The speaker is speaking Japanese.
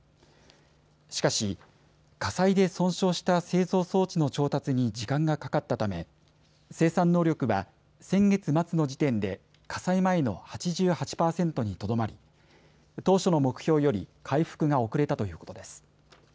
しかし火災で損傷した製造装置の調達に時間がかかったため生産能力は先月末の時点で火災前の８８％にとどまり当初の目標より回復が遅れたということです。